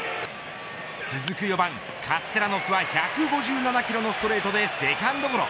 続く４番カステラノスは１５７キロのストレートでセカンドゴロ。